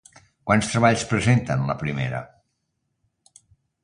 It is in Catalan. Quants treballs presenta en la primera?